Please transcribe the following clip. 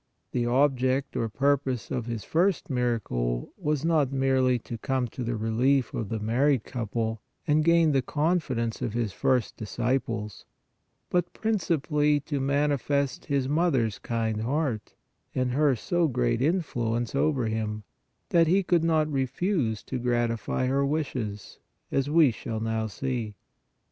The object or purpose of His first miracle was not merely to come to the relief of the married couple and gain the confidence of His first disciples, but principally to manifest His Mother s kind heart and her so great influence over Him, that He could not refuse to gratify her wishes, as we shall now see.